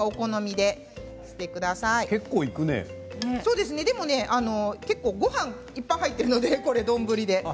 でもごはんが結構いっぱい入っているので丼で。